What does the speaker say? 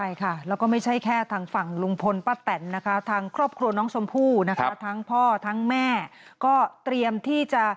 ใช่ค่ะแล้วก็ไม่ใช่แค่ทางฝั่งลุงพลป้าแตนนะคะทางครอบครัวน้องชมพู่นะคะทั้งพ่อทั้งแม่ก็เตรียมที่จะ